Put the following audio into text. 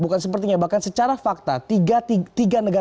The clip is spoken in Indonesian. bukan sepertinya bahkan secara fakta tiga negara besar untuk neraca dagang